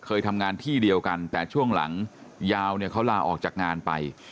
เคยทำงานที่เดียวกันแต่ช่วงหลังยาวเนี่ยเขาลาออกจากงานไป